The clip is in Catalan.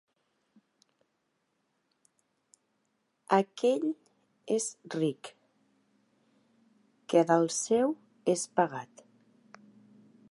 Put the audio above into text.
Aquell és ric, que del seu és pagat.